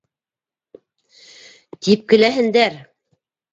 Типкеләһендәр!